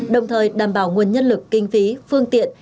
đồng thời đảm bảo nguồn nhân lực kinh phí phương tiện